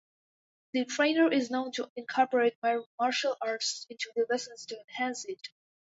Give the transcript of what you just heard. The trainer is known to incorporate martial arts into the lessons to enhance it.